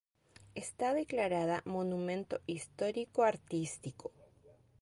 Está declarada Monumento Histórico Artístico.